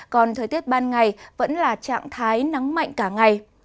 còn thời tiết ban ngày vẫn là trạng thái nắng mạnh cả ngày